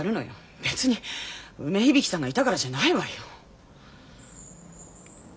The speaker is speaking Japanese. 別に梅響さんがいたからじゃないわよ。